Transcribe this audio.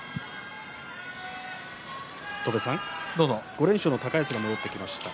５連勝の高安が戻ってきました。